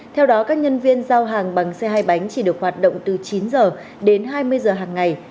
theo đó các nhân viên giao hàng bằng xe hai bánh chỉ được hoạt động từ chín h đến hai mươi giờ hàng ngày